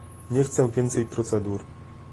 Nie chcę więcej procedur